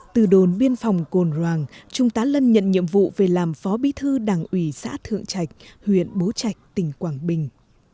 từ đồn biên phòng cồn trung tá lân nhận nhiệm vụ về làm phó bí thư đảng ủy xã thượng trạch huyện bố trạch tỉnh quảng bình